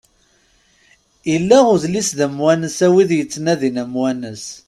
Illa udlis d amwanes a wid ittnadin amwanes.